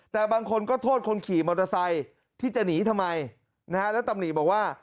แต่บางคนก็โทษคนขี่มอเตอร์ไซค์ที่จะหนีทำไมนะฮะแล้วตำหนิบอกว่า